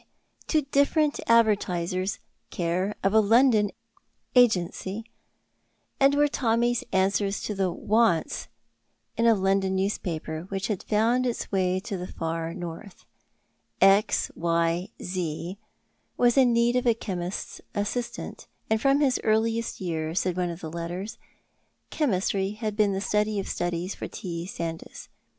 to different advertisers, care of a London agency, and were Tommy's answers to the "wants" in a London newspaper which had found its way to the far North. "X Y Z" was in need of a chemist's assistant, and from his earliest years, said one of the letters, chemistry had been the study of studies for T. Sandys.